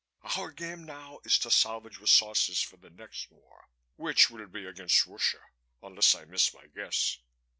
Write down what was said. Our game now is to salvage resources for the next war, which will be against Russia, unless I miss my guess.